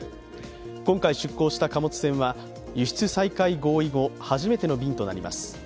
今回出港した貨物船は、輸出再開合意後初めての便となります。